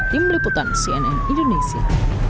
tim liputan cnn indonesia